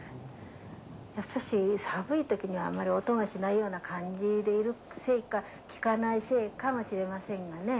やっぱしさぶい時にはあんまり音がしないような感じでいるせいか聞かないせいかもしれませんがね